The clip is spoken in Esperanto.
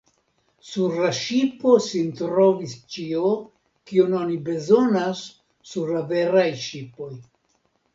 Sur la ŝipo sin trovis ĉio, kion oni bezonas sur la veraj ŝipoj.